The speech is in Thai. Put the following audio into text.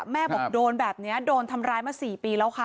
แม่บอกโดนแบบนี้โดนทำร้ายมา๔ปีแล้วค่ะ